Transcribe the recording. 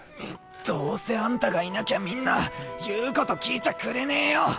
どうせあんたがいなきゃみんな言うこと聞いちゃくれねえよ。